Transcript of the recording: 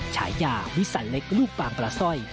ฉายาวิสันเล็กลูกบางปลาสร้อย